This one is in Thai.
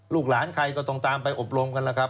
ลูกหลานใครก็ต้องตามไปอบรมกันล่ะครับ